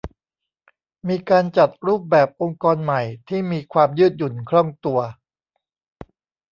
มีการจัดรูปแบบองค์กรใหม่ที่มีความยืดหยุ่นคล่องตัว